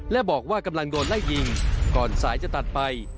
และบอกว่ากำลังโดนไล่ยิงก่อนสายจะตัดไป